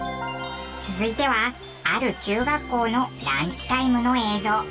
続いてはある中学校のランチタイムの映像。